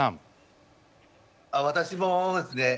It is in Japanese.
私もですね